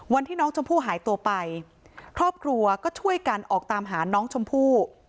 วันที่น้องชมพู่หายตัวไปครอบครัวก็ช่วยกันออกตามหาน้องชมพู่